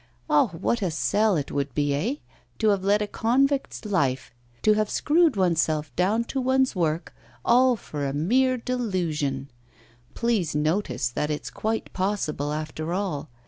Ah! what a sell it would be, eh? To have led a convict's life to have screwed oneself down to one's work all for a mere delusion! Please notice that it's quite possible, after all.